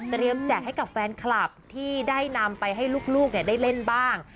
แจกให้กับแฟนคลับที่ได้นำไปให้ลูกได้เล่นบ้าง